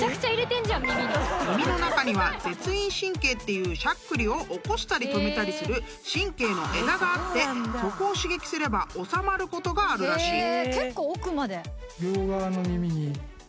［耳の中には舌咽神経っていうしゃっくりを起こしたり止めたりする神経の枝があってそこを刺激すればおさまることがあるらしい］